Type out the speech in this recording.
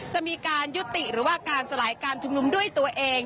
จะมีการยุติหรือว่าการสลายการชุมนุมด้วยตัวเอง